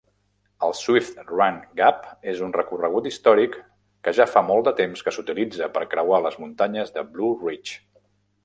El Swift Run Gap és un recorregut històric que ja fa molt de temps que s'utilitza per creuar les muntanyes Blue Ridge.